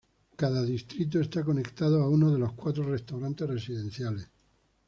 Cada distrito está conectado a uno de los cuatro Restaurantes Residenciales.